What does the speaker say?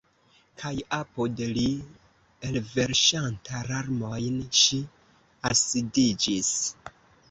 Kaj apud li, elverŝanta larmojn, ŝi alsidiĝis.